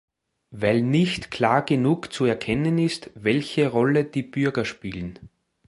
Weil nicht klar genug zu erkennen ist, welche Rolle die Bürger spielen.